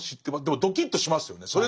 でもドキッとしますよね。